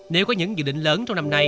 nếu có những dự định lớn trong năm nay